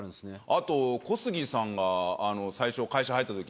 あと小杉さんが最初会社入った時。